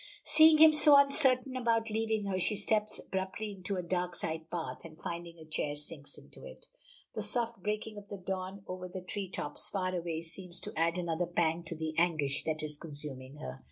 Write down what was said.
Seeing him so uncertain about leaving her, she steps abruptly into a dark side path, and finding a chair sinks into it. The soft breaking of the dawn over the tree tops far away seems to add another pang to the anguish that is consuming her.